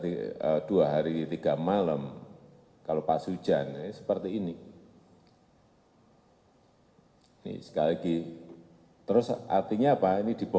itu titik rawan paling banyak memasuki rio